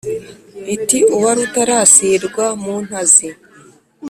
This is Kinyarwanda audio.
Iti « uwa Rutarasirwa mu ntazi